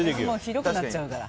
広くなっちゃうから。